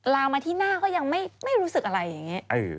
ลางมาที่หน้าก็ยังไม่รู้สึกอะไรอย่างนี้